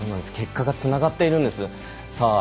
結果がつながっているんです。